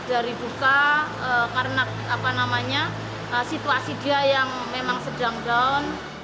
dia sangat sangat menyesal karena situasi dia yang sedang down